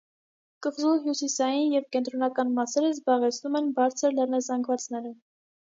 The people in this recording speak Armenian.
Կղզու հյուսիսային և կենտրոնական մասերը զբաղեցնում են բարձր լեռնազանգվածները։